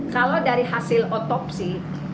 kalau dari hasil otopsi